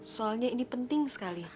soalnya ini penting sekali